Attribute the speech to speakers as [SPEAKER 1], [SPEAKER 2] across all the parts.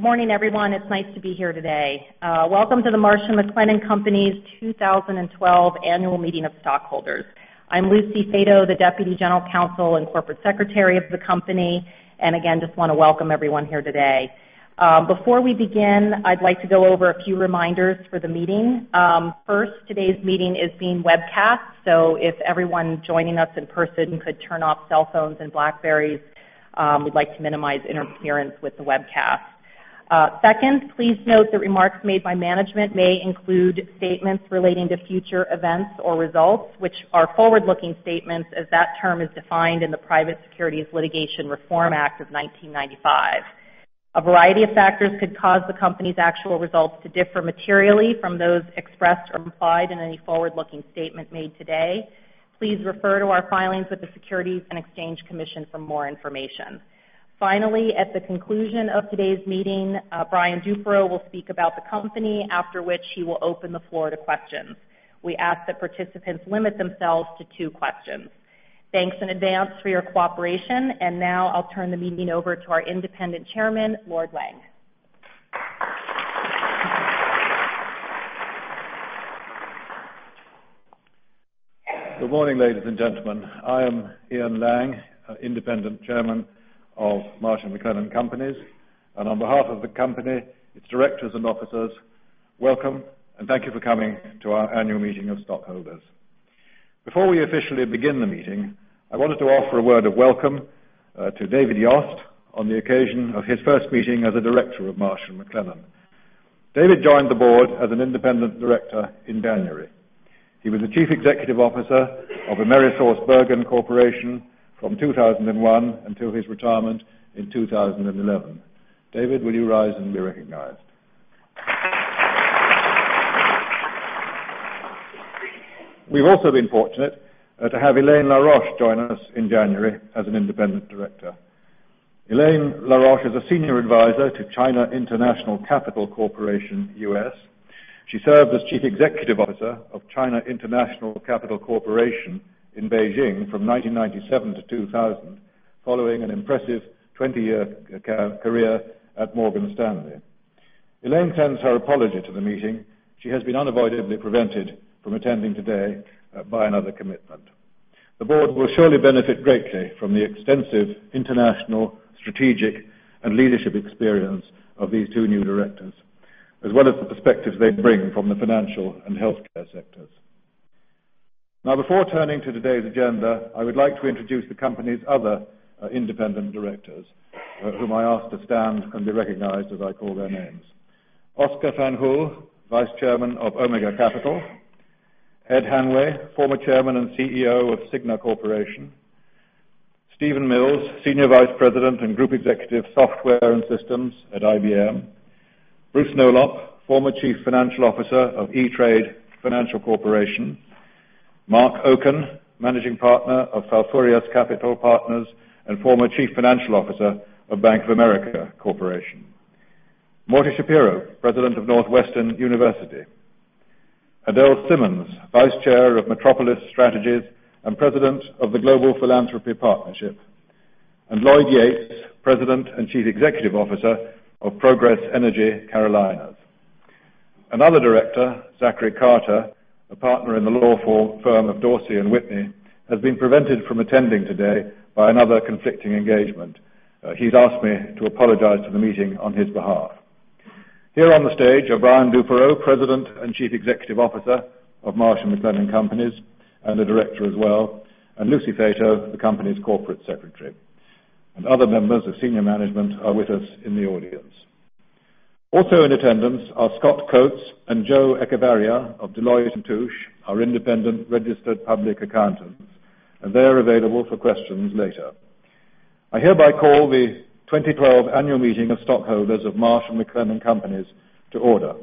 [SPEAKER 1] Good morning, everyone. It's nice to be here today. Welcome to the Marsh & McLennan Companies 2012 Annual Meeting of Stockholders. I'm Lucy Fato, the Deputy General Counsel and Corporate Secretary of the company. Just want to welcome everyone here today. Before we begin, I'd like to go over a few reminders for the meeting. First, today's meeting is being webcast, so if everyone joining us in person could turn off cell phones and BlackBerrys, we'd like to minimize interference with the webcast. Second, please note that remarks made by management may include statements relating to future events or results, which are forward-looking statements as that term is defined in the Private Securities Litigation Reform Act of 1995. A variety of factors could cause the company's actual results to differ materially from those expressed or implied in any forward-looking statement made today. Please refer to our filings with the Securities and Exchange Commission for more information. Finally, at the conclusion of today's meeting, Brian Duperreault will speak about the company, after which he will open the floor to questions. We ask that participants limit themselves to two questions. Thanks in advance for your cooperation. Now I'll turn the meeting over to our Independent Chairman, Lord Lang.
[SPEAKER 2] Good morning, ladies and gentlemen. I am Ian Lang, Independent Chairman of Marsh & McLennan Companies, and on behalf of the company, its directors and officers, welcome, and thank you for coming to our annual meeting of stockholders. Before we officially begin the meeting, I wanted to offer a word of welcome to David Yost on the occasion of his first meeting as a director of Marsh & McLennan. David joined the board as an independent director in January. He was the Chief Executive Officer of AmerisourceBergen Corporation from 2001 until his retirement in 2011. David, will you rise and be recognized? We've also been fortunate to have Elaine LaRoche join us in January as an independent director. Elaine LaRoche is a Senior Advisor to China International Capital Corporation, U.S. She served as Chief Executive Officer of China International Capital Corporation in Beijing from 1997 to 2000, following an impressive 20-year career at Morgan Stanley. Elaine sends her apology to the meeting. She has been unavoidably prevented from attending today by another commitment. The board will surely benefit greatly from the extensive international, strategic, and leadership experience of these two new directors, as well as the perspectives they bring from the financial and healthcare sectors. Before turning to today's agenda, I would like to introduce the company's other independent directors whom I ask to stand and be recognized as I call their names. Oscar Fanjul, Vice Chairman of Omega Capital. Ed Hanway, former Chairman and Chief Executive Officer of Cigna Corporation. Steven Mills, Senior Vice President and Group Executive, Software and Systems at IBM. Bruce Nolop, former Chief Financial Officer of E*TRADE FINANCIAL Corporation. Marc Oken, Managing Partner of Falfurrias Capital Partners and former Chief Financial Officer of Bank of America Corporation. Morton Shapiro, President of Northwestern University. Adele Simmons, Vice Chair of Metropolis Strategies and President of the Global Philanthropy Partnership. Lloyd Yates, President and Chief Executive Officer of Progress Energy Carolinas. Another director, Zachary Carter, a partner in the law firm of Dorsey & Whitney, has been prevented from attending today by another conflicting engagement. He's asked me to apologize to the meeting on his behalf. Here on the stage are Brian Duperreault, President and Chief Executive Officer of Marsh & McLennan Companies, and a director as well, and Lucy Fato, the company's Corporate Secretary. Other members of senior management are with us in the audience. In attendance are Scott Coates and Joe Echevarria of Deloitte & Touche, our independent registered public accountants, and they're available for questions later. I hereby call the 2012 annual meeting of stockholders of Marsh & McLennan Companies to order.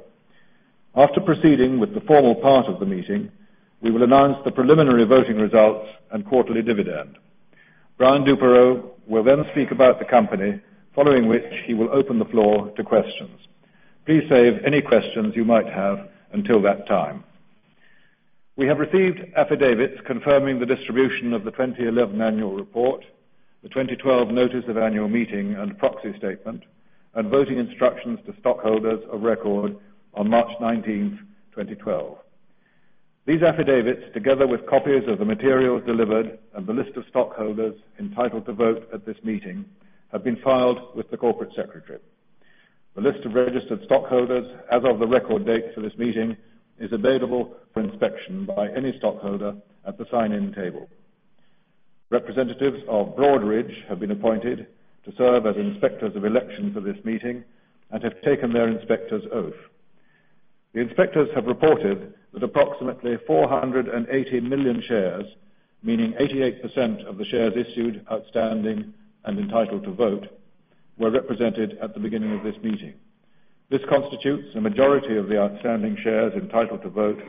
[SPEAKER 2] After proceeding with the formal part of the meeting, we will announce the preliminary voting results and quarterly dividend. Brian Duperreault will then speak about the company, following which he will open the floor to questions. Please save any questions you might have until that time. We have received affidavits confirming the distribution of the 2011 annual report, the 2012 notice of annual meeting and proxy statement, and voting instructions to stockholders of record on March 19th, 2012. These affidavits, together with copies of the materials delivered and the list of stockholders entitled to vote at this meeting, have been filed with the corporate secretary. The list of registered stockholders as of the record date for this meeting is available for inspection by any stockholder at the sign-in table. Representatives of Broadridge have been appointed to serve as inspectors of election for this meeting and have taken their inspector's oath. The inspectors have reported that approximately 480 million shares, meaning 88% of the shares issued, outstanding, and entitled to vote, were represented at the beginning of this meeting. This constitutes a majority of the outstanding shares entitled to vote,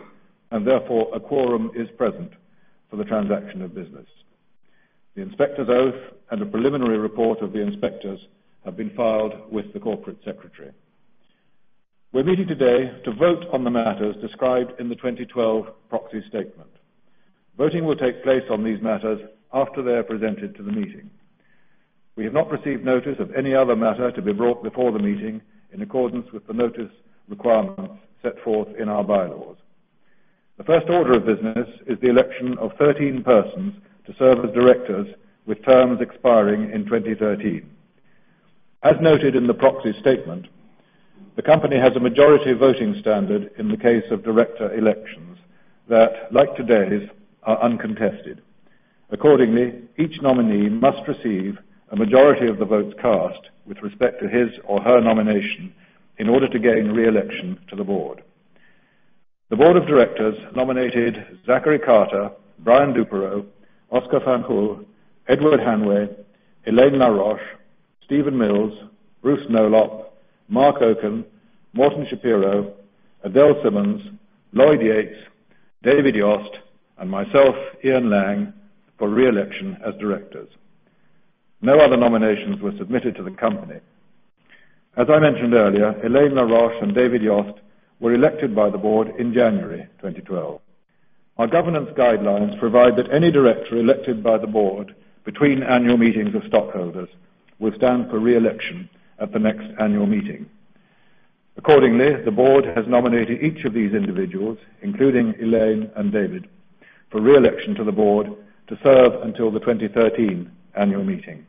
[SPEAKER 2] and therefore a quorum is present for the transaction of business. The inspector's oath and a preliminary report of the inspectors have been filed with the corporate secretary. We're meeting today to vote on the matters described in the 2012 proxy statement. Voting will take place on these matters after they are presented to the meeting. We have not received notice of any other matter to be brought before the meeting in accordance with the notice requirements set forth in our bylaws. The first order of business is the election of 13 persons to serve as directors, with terms expiring in 2013. As noted in the proxy statement, the company has a majority voting standard in the case of director elections that, like today's, are uncontested. Accordingly, each nominee must receive a majority of the votes cast with respect to his or her nomination in order to gain re-election to the board. The board of directors nominated Zachary Carter, Brian Duperreault, Óscar Fanjul, Edward Hanway, Elaine La Roche, Steven Mills, Bruce Nolop, Marc Oken, Morton Shapiro, Adele Simmons, Lloyd Yates, David Yost, and myself, Ian Lang, for re-election as directors. No other nominations were submitted to the company. I mentioned earlier, Elaine La Roche and David Yost were elected by the board in January 2012. Our governance guidelines provide that any director elected by the board between annual meetings of stockholders will stand for re-election at the next annual meeting. Accordingly, the board has nominated each of these individuals, including Elaine and David, for re-election to the board to serve until the 2013 annual meeting.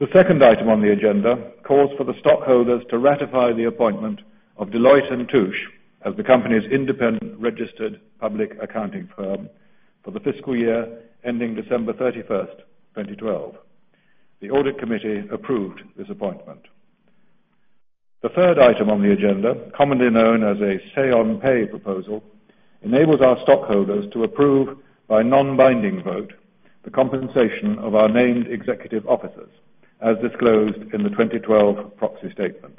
[SPEAKER 2] The second item on the agenda calls for the stockholders to ratify the appointment of Deloitte & Touche as the company's independent registered public accounting firm for the fiscal year ending December 31st, 2012. The audit committee approved this appointment. The third item on the agenda, commonly known as a say-on-pay proposal, enables our stockholders to approve by non-binding vote the compensation of our named executive officers, as disclosed in the 2012 proxy statement.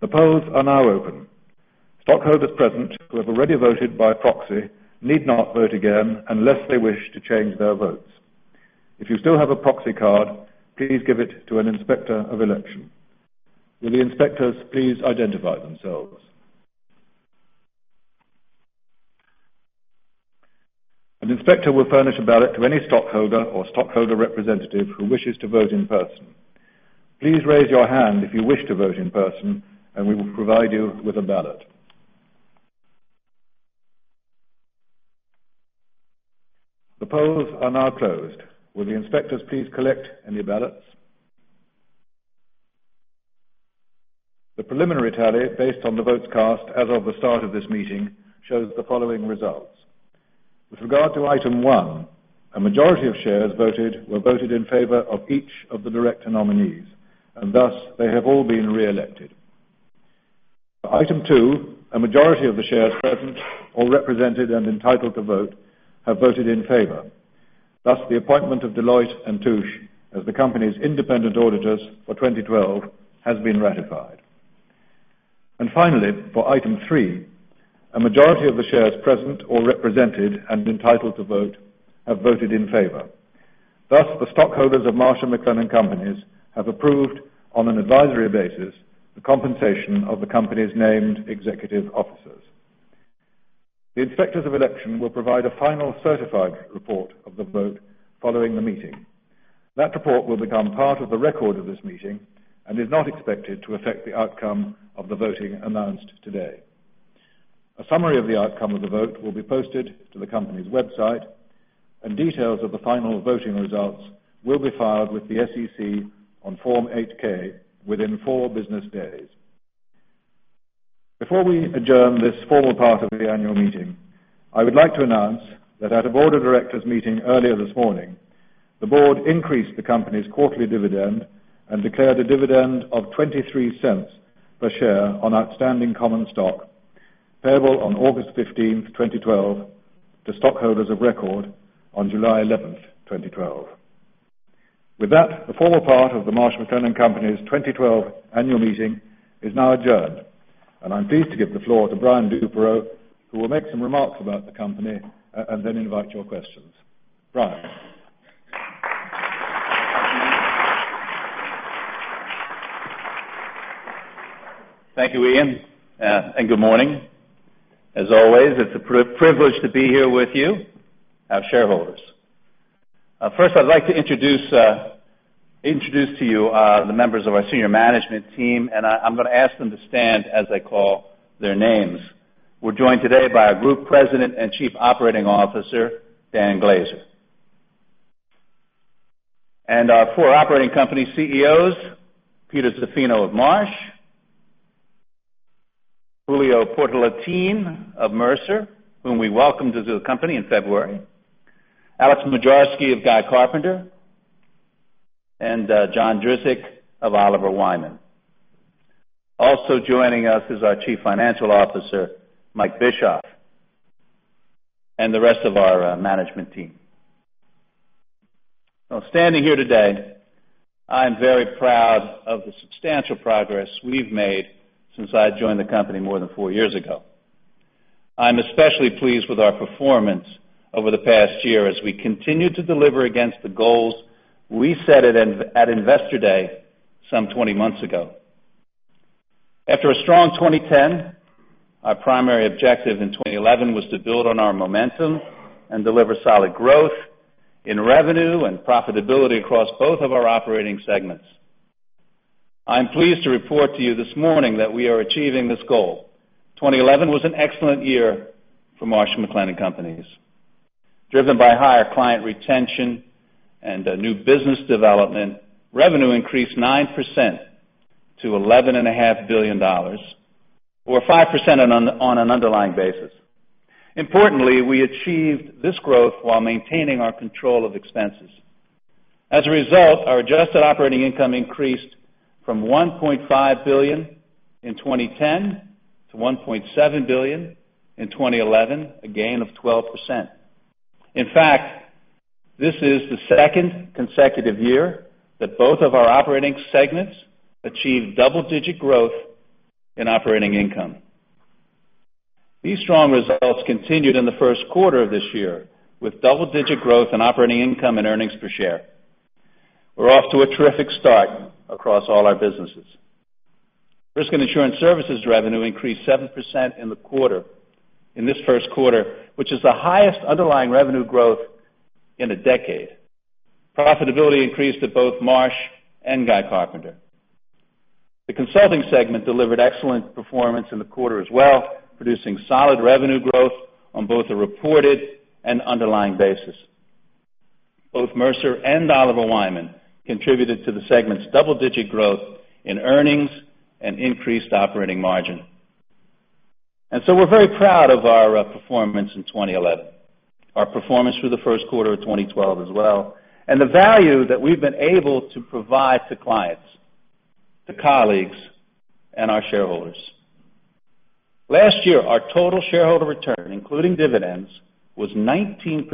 [SPEAKER 2] The polls are now open. Stockholders present who have already voted by proxy need not vote again unless they wish to change their votes. If you still have a proxy card, please give it to an inspector of election. Will the inspectors please identify themselves? An inspector will furnish a ballot to any stockholder or stockholder representative who wishes to vote in person. Please raise your hand if you wish to vote in person, and we will provide you with a ballot. The polls are now closed. Will the inspectors please collect any ballots? The preliminary tally based on the votes cast as of the start of this meeting shows the following results. With regard to item one, a majority of shares voted were voted in favor of each of the director nominees, and thus they have all been re-elected. For item two, a majority of the shares present or represented and entitled to vote have voted in favor. Thus, the appointment of Deloitte & Touche as the company's independent auditors for 2012 has been ratified. Finally, for item three, a majority of the shares present or represented and entitled to vote have voted in favor. Thus, the stockholders of Marsh & McLennan Companies have approved on an advisory basis the compensation of the company's named executive officers. The inspectors of election will provide a final certified report of the vote following the meeting. That report will become part of the record of this meeting and is not expected to affect the outcome of the voting announced today. A summary of the outcome of the vote will be posted to the company's website, and details of the final voting results will be filed with the SEC on Form 8-K within four business days. Before we adjourn this formal part of the annual meeting, I would like to announce that at a board of directors meeting earlier this morning, the board increased the company's quarterly dividend and declared a dividend of $0.23 per share on outstanding common stock payable on August 15th, 2012, to stockholders of record on July 11th, 2012. With that, the formal part of the Marsh & McLennan Companies' 2012 annual meeting is now adjourned, and I'm pleased to give the floor to Brian Duperreault, who will make some remarks about the company and then invite your questions. Brian.
[SPEAKER 3] Thank you, Ian. Good morning. As always, it's a privilege to be here with you, our shareholders. First, I'd like to introduce to you the members of our Senior Management Team. I'm going to ask them to stand as I call their names. We're joined today by our Group President and Chief Operating Officer, Dan Glaser. Our four operating company CEOs, Peter Zaffino of Marsh, Julio Portalatin of Mercer, whom we welcomed to the company in February, Alex Moczarski of Guy Carpenter, and John Drzik of Oliver Wyman. Also joining us is our Chief Financial Officer, Mike Bischoff, the rest of our management team. Standing here today, I am very proud of the substantial progress we've made since I joined the company more than four years ago. I'm especially pleased with our performance over the past year as we continue to deliver against the goals we set at Investor Day some 20 months ago. After a strong 2010, our primary objective in 2011 was to build on our momentum and deliver solid growth in revenue and profitability across both of our operating segments. I'm pleased to report to you this morning that we are achieving this goal. 2011 was an excellent year for Marsh & McLennan Companies. Driven by higher client retention and new business development, revenue increased 9% to $11.5 billion, or 5% on an underlying basis. Importantly, we achieved this growth while maintaining our control of expenses. As a result, our adjusted operating income increased from $1.5 billion in 2010 to $1.7 billion in 2011, a gain of 12%. In fact, this is the second consecutive year that both of our operating segments achieved double-digit growth in operating income. These strong results continued in the first quarter of this year with double-digit growth in operating income and earnings per share. We're off to a terrific start across all our businesses. Risk and insurance services revenue increased 7% in this first quarter, which is the highest underlying revenue growth in a decade. Profitability increased at both Marsh and Guy Carpenter. The consulting segment delivered excellent performance in the quarter as well, producing solid revenue growth on both a reported and underlying basis. Both Mercer and Oliver Wyman contributed to the segment's double-digit growth in earnings and increased operating margin. We're very proud of our performance in 2011, our performance through the first quarter of 2012 as well, and the value that we've been able to provide to clients, to colleagues, and our shareholders. Last year, our total shareholder return, including dividends, was 19%,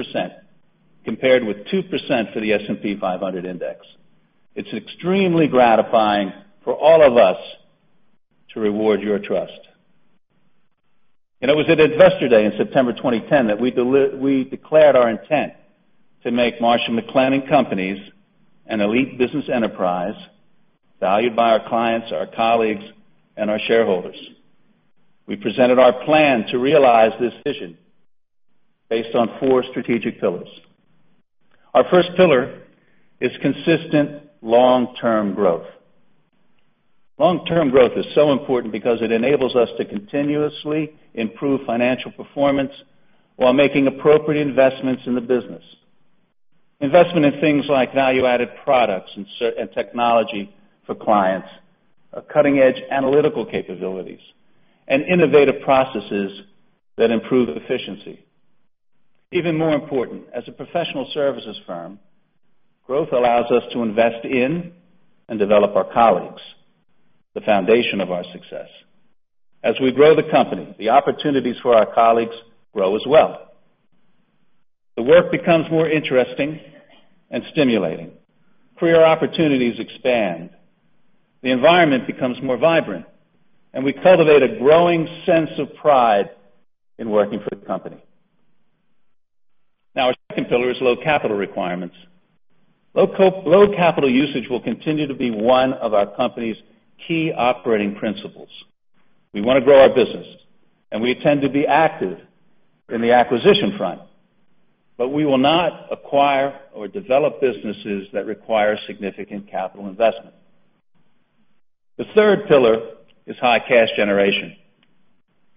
[SPEAKER 3] compared with 2% for the S&P 500 index. It's extremely gratifying for all of us to reward your trust. It was at Investor Day in September 2010 that we declared our intent to make Marsh & McLennan Companies an elite business enterprise valued by our clients, our colleagues, and our shareholders. We presented our plan to realize this vision based on four strategic pillars. Our first pillar is consistent long-term growth. Long-term growth is so important because it enables us to continuously improve financial performance while making appropriate investments in the business. Investment in things like value-added products and technology for clients, cutting-edge analytical capabilities, and innovative processes that improve efficiency. Even more important, as a professional services firm, growth allows us to invest in and develop our colleagues, the foundation of our success. As we grow the company, the opportunities for our colleagues grow as well. The work becomes more interesting and stimulating. Career opportunities expand, the environment becomes more vibrant, and we cultivate a growing sense of pride in working for the company. Our second pillar is low capital requirements. Low capital usage will continue to be one of our company's key operating principles. We want to grow our business and we intend to be active in the acquisition front. We will not acquire or develop businesses that require significant capital investment. The third pillar is high cash generation.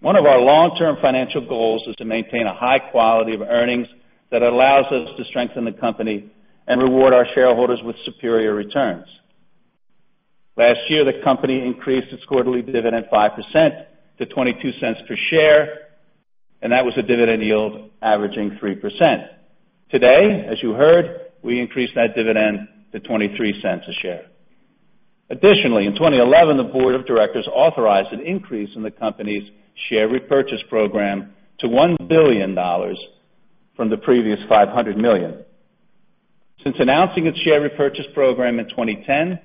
[SPEAKER 3] One of our long-term financial goals is to maintain a high quality of earnings that allows us to strengthen the company and reward our shareholders with superior returns. Last year, the company increased its quarterly dividend 5% to $0.22 per share, and that was a dividend yield averaging 3%. Today, as you heard, we increased that dividend to $0.23 a share. Additionally, in 2011, the board of directors authorized an increase in the company's share repurchase program to $1 billion from the previous $500 million. Since announcing its share repurchase program in 2010,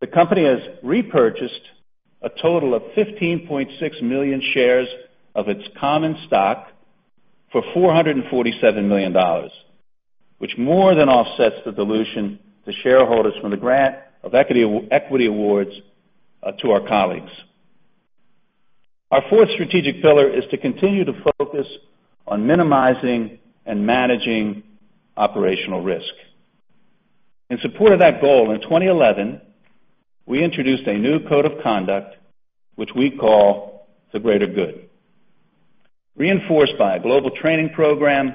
[SPEAKER 3] the company has repurchased a total of 15.6 million shares of its common stock for $447 million, which more than offsets the dilution to shareholders from the grant of equity awards to our colleagues. Our fourth strategic pillar is to continue to focus on minimizing and managing operational risk. In support of that goal, in 2011, we introduced a new code of conduct, which we call The Greater Good. Reinforced by a global training program,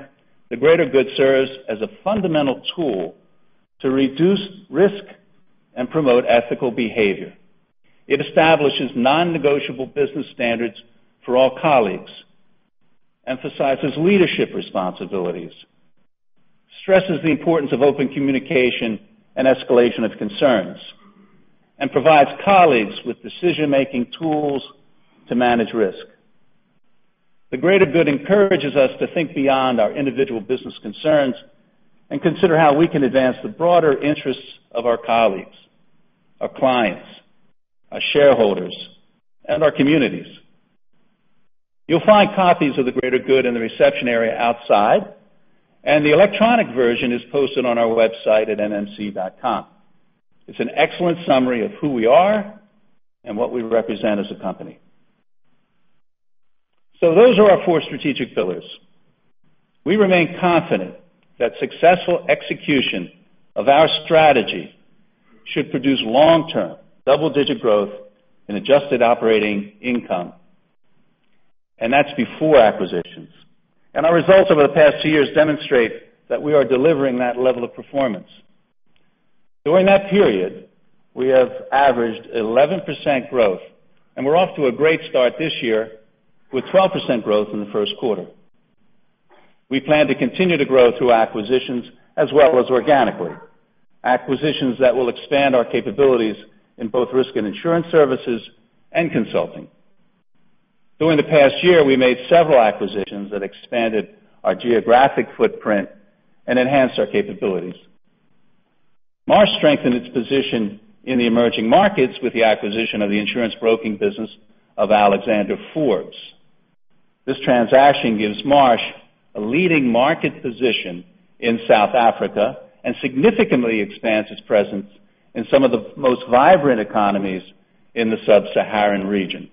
[SPEAKER 3] The Greater Good serves as a fundamental tool to reduce risk and promote ethical behavior. It establishes non-negotiable business standards for all colleagues, emphasizes leadership responsibilities, stresses the importance of open communication and escalation of concerns, and provides colleagues with decision-making tools to manage risk. The Greater Good encourages us to think beyond our individual business concerns and consider how we can advance the broader interests of our colleagues, our clients, our shareholders, and our communities. You'll find copies of "The Greater Good" in the reception area outside, and the electronic version is posted on our website at mmc.com. It's an excellent summary of who we are and what we represent as a company. Those are our four strategic pillars. We remain confident that successful execution of our strategy should produce long-term double-digit growth in adjusted operating income, and that's before acquisitions. Our results over the past two years demonstrate that we are delivering that level of performance. During that period, we have averaged 11% growth, and we're off to a great start this year with 12% growth in the first quarter. We plan to continue to grow through acquisitions as well as organically, acquisitions that will expand our capabilities in both risk and insurance services and consulting. During the past year, we made several acquisitions that expanded our geographic footprint and enhanced our capabilities. Marsh strengthened its position in the emerging markets with the acquisition of the insurance broking business of Alexander Forbes. This transaction gives Marsh a leading market position in South Africa and significantly expands its presence in some of the most vibrant economies in the sub-Saharan region.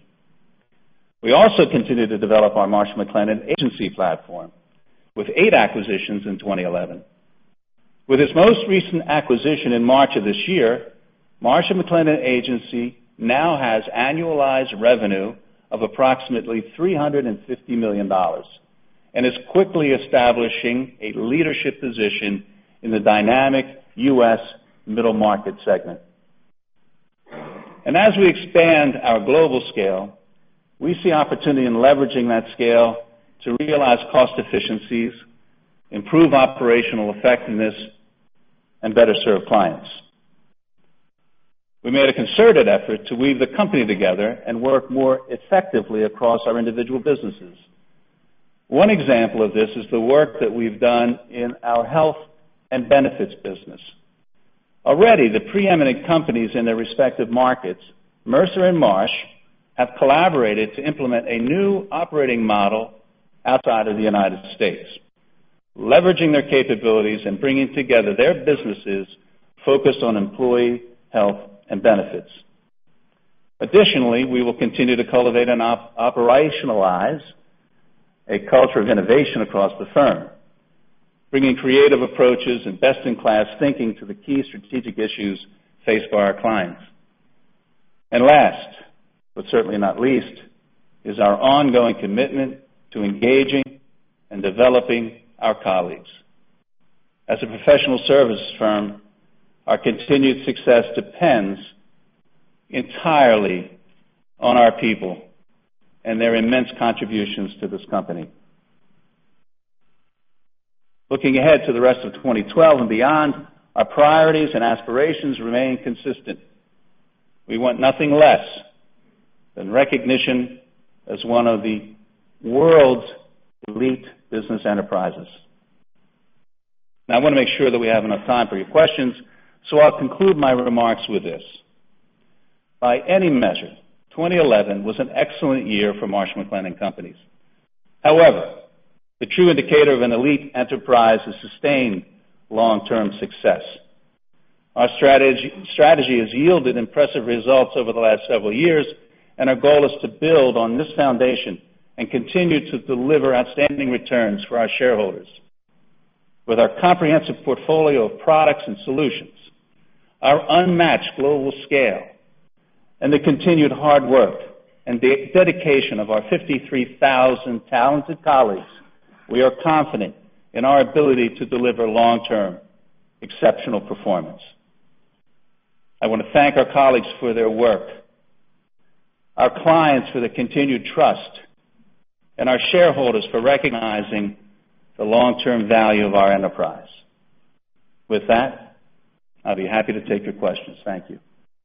[SPEAKER 3] We also continue to develop our Marsh McLennan Agency platform with 8 acquisitions in 2011. With its most recent acquisition in March of this year, Marsh & McLennan Agency now has annualized revenue of approximately $350 million and is quickly establishing a leadership position in the dynamic U.S. middle market segment. As we expand our global scale, we see opportunity in leveraging that scale to realize cost efficiencies, improve operational effectiveness, and better serve clients. We made a concerted effort to weave the company together and work more effectively across our individual businesses. One example of this is the work that we've done in our health and benefits business. Already, the preeminent companies in their respective markets, Mercer and Marsh, have collaborated to implement a new operating model outside of the U.S., leveraging their capabilities and bringing together their businesses focused on employee health and benefits. Additionally, we will continue to cultivate and operationalize a culture of innovation across the firm, bringing creative approaches and best-in-class thinking to the key strategic issues faced by our clients. Last, but certainly not least, is our ongoing commitment to engaging and developing our colleagues. As a professional services firm, our continued success depends entirely on our people and their immense contributions to this company. Looking ahead to the rest of 2012 and beyond, our priorities and aspirations remain consistent. We want nothing less than recognition as one of the world's elite business enterprises. I want to make sure that we have enough time for your questions, so I'll conclude my remarks with this. By any measure, 2011 was an excellent year for Marsh & McLennan Companies. However, the true indicator of an elite enterprise is sustained long-term success. Our strategy has yielded impressive results over the last several years, and our goal is to build on this foundation and continue to deliver outstanding returns for our shareholders. With our comprehensive portfolio of products and solutions, our unmatched global scale, and the continued hard work and dedication of our 53,000 talented colleagues, we are confident in our ability to deliver long-term exceptional performance. I want to thank our colleagues for their work, our clients for their continued trust, and our shareholders for recognizing the long-term value of our enterprise. With that, I'll be happy to take your questions. Thank you.